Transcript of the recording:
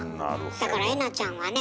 だからえなちゃんはね